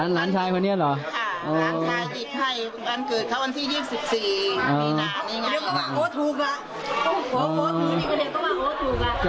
หลานชายหยิบให้วันที่๒๔มีนาคม